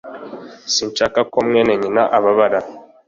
Sinshaka ko mwene nyina ababara